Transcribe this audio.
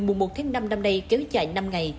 mùa một tháng năm năm nay kéo dài năm ngày